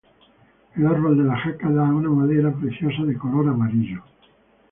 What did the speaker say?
El árbol de jaca da una madera preciosa de color amarillo.